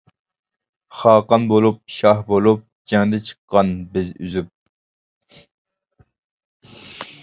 خاقان بولۇپ، شاھ بولۇپ، جەڭدە چىققان بىز ئۈزۈپ.